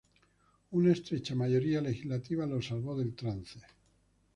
Una estrecha mayoría legislativa lo salvó del trance.